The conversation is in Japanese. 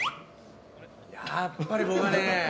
やっぱり僕はね。